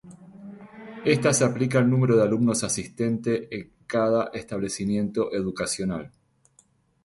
Esta se aplica al número de alumnos asistentes en cada establecimiento educacional.